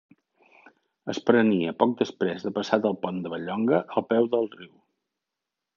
Es prenia poc després de passat el pont de Vall-llonga, al peu del riu.